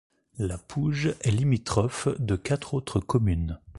La Pouge est limitrophe de quatre autres communes.